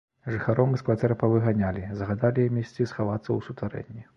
Жыхароў мы з кватэр павыганялі, загадалі ім ісці схавацца ў сутарэнні.